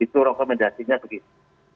itu rekomendasinya begitu